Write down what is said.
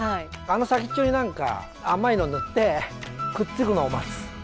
あの先っちょに何か甘いの塗ってくっつくのを待つ。